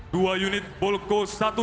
dua unit bolko satu ratus lima